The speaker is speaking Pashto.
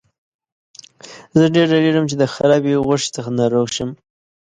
زه ډیر ډاریږم چې د خرابې غوښې څخه ناروغه شم.